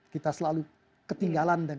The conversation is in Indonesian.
kita selalu ketinggalan dengan itu